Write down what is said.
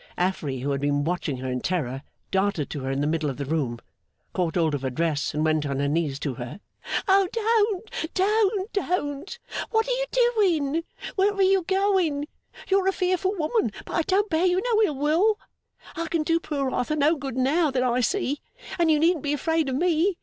Affery, who had watched her in terror, darted to her in the middle of the room, caught hold of her dress, and went on her knees to her. 'Don't, don't, don't! What are you doing? Where are you going? You're a fearful woman, but I don't bear you no ill will. I can do poor Arthur no good now, that I see; and you needn't be afraid of me.